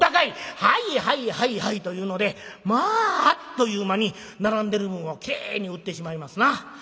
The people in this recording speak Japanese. はいはいはいはい」というのでまああっという間に並んでるもんはきれいに売ってしまいますな。